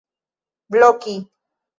bloki